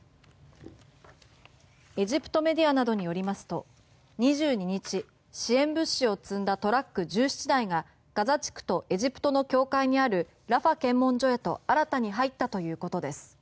エジプトメディアなどによりますと２２日支援物資を積んだトラック１７台がガザ地区とエジプトの境界にあるラファ検問所へと新たに入ったということです。